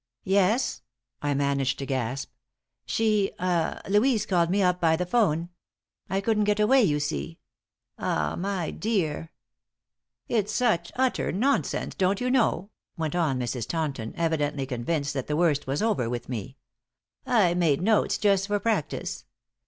"Yes?" I managed to gasp. "She ah Louise called me up by the 'phone. I couldn't get away, you see ah my dear." "It's such utter nonsense, don't you know," went on Mrs. Taunton, evidently convinced that the worst was over with me. "I made notes, just for practice.